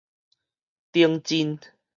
頂真